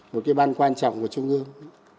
một cái ban quan trọng của trung ương